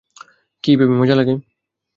কি বেবি মজা লাগে?